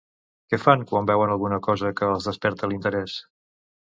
Què fan quan veuen alguna cosa que els desperta l'interès?